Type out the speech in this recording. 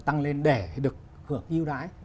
tăng lên để được hưởng yêu đáy